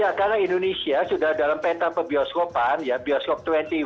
ya karena indonesia sudah dalam peta pebioskopan ya bioskop dua puluh